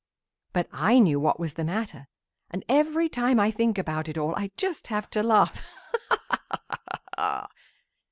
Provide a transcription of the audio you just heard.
"But I knew what was the matter, and every time I think about it all I just have to laugh. Ha! ha! ha!"